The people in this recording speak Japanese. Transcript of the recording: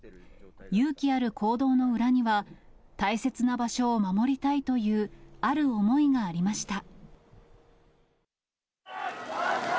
勇気ある行動の裏には、大切な場所を守りたいというある思いがありました。